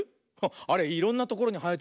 あれいろんなところにはえてるよね。